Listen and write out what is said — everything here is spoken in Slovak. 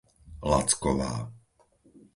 Lacková